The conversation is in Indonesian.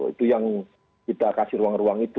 itu yang kita kasih ruang ruang itu